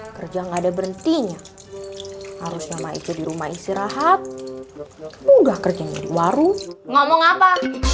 kerja nggak ada berhenti harus lama itu di rumah istirahat udah kerja warung ngomong apa